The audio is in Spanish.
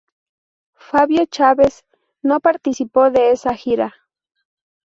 Favio Chávez no participó de esta gira.